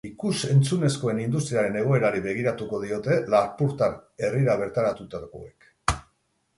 Ikus-entzunezkoen industriaren egoerari begiratuko diote lapurtar herrira bertaratutakoek.